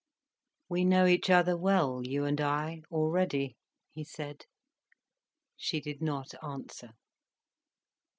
"We know each other well, you and I, already," he said. She did not answer.